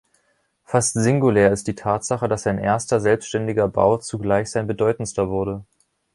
Fast singulär ist die Tatsache, dass sein erster selbstständiger Bau zugleich sein bedeutendster wurde.